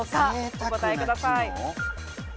お答えください。